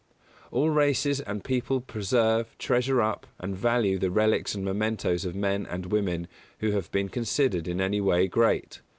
All races and people preserve, treasure up, and value the relics and mementoes of men and women who have been considered in any way great.